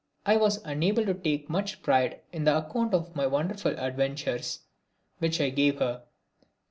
I was unable to take much pride in the account of my wonderful adventures which I gave her.